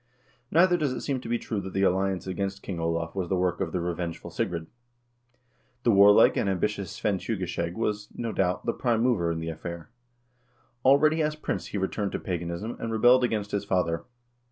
Neither does it seem to be true that the alliance against King Olav was the work of the revengeful Sigrid. The warlike and ambi tious Svein Tjugeskjeg was, no doubt, the prime mover in the affair. Already as prince he returned to paganism, and rebelled against his father.